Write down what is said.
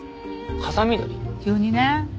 急にね。